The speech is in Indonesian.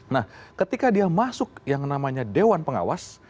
nah ketika dia masuk yang namanya dewan pengawas